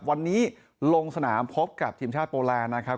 วันนี้ลงสนามพบกับทีมชาติโปแลนด์นะครับ